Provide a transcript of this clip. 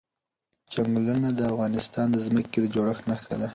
چنګلونه د افغانستان د ځمکې د جوړښت نښه ده.